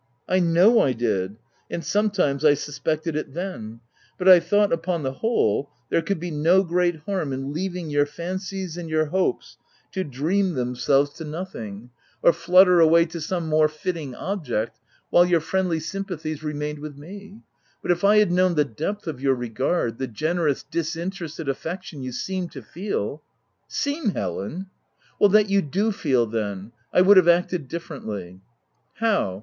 v V I know I did ; and sometimes, I suspected it then ; but I thought, upon the whole, there could be no great harm in leaving your fancies and your hopes to dream themselves to nothing — or flutter away to some more fitting object, while your friendly sympathies remained with me ; but if I had known the depth of your regard, the generous disinterested affection you seem to feel —?'" Seem, Helen ?"" That you do feel, then, I would have acted differently." " How